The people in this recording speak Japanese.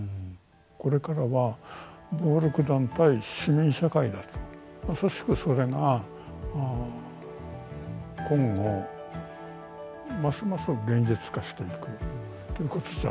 これからは暴力団対市民社会だとまさしくそれが今後ますます現実化していくということじゃないかと思いますね。